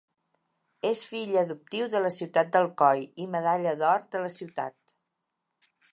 És fill adoptiu de la ciutat d'Alcoi i Medalla d'or de la ciutat.